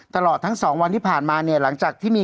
ตลอดทั้ง๒วันที่ผ่านมาเนี่ยหลังจากที่มี